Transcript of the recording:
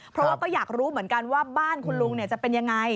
เพราะว่าก็อยากรู้เหมือนกันว่าบ้านคุณลุงจะเป็นยังไง